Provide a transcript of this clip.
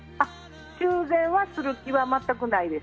修繕する気は全くないです。